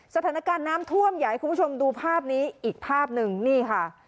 สถานการณ์น้ำท่วมอยากให้คุณผู้ชมดูภาพนี้อีกภาพหนึ่งนี่ค่ะ